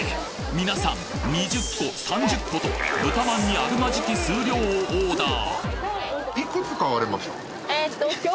皆さん２０個３０個と豚まんにあるまじき数量をオーダー